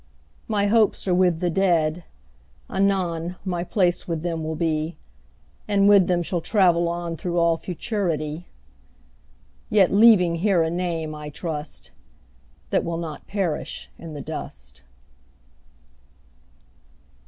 My hopes are with the Dead; anon My place with them will be, 20 And I with them shall travel on Through all Futurity; Yet leaving here a name, I trust, That will not perish in the dust.